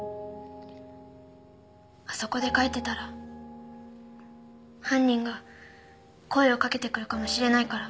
あそこで描いてたら犯人が声を掛けてくるかもしれないから。